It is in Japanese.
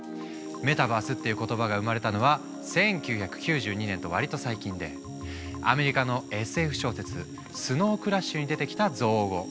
メタバースっていう言葉が生まれたのは１９９２年と割と最近でアメリカのＳＦ小説「スノウ・クラッシュ」に出てきた造語。